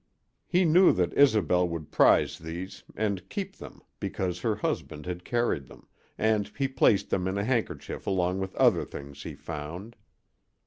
He knew that Isobel would prize these and keep them because her husband had carried them, and he placed them in a handkerchief along with other things he found.